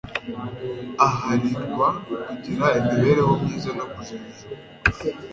aharirwa kugira imibereho myiza no kujijuka